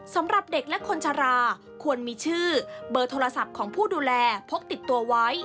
สำหรับเด็กและคนชะลาควรมีชื่อเบอร์โทรศัพท์ของผู้ดูแลพกติดตัวไว้